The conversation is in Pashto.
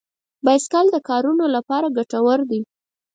بایسکل د کارونو لپاره ګټور دی.